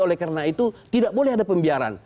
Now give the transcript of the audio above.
oleh karena itu tidak boleh ada pembiaran